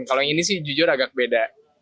kalau yang ini sih jujur agak beda